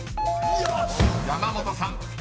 ［山本さん］